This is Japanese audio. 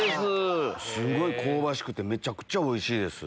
すごい香ばしくてめちゃくちゃおいしいです。